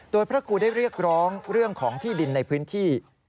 โดยพระครูได้เรียกร้องเรื่องของที่ดินในพื้นที่